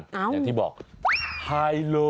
อย่างที่บอกไฮโล